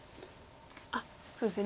あっそうですね